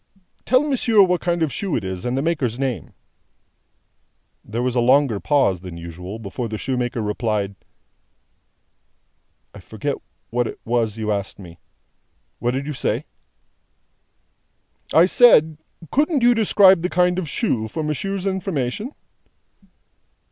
"Tell monsieur what kind of shoe it is, and the maker's name." There was a longer pause than usual, before the shoemaker replied: "I forget what it was you asked me. What did you say?" "I said, couldn't you describe the kind of shoe, for monsieur's information?"